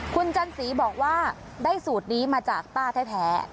คุณจันสีบอกว่าได้สูตรนี้มาจากป้าแท้